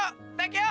udah am ya